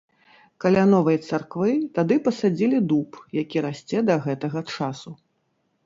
Каля новай царквы тады пасадзілі дуб, які расце да гэтага часу.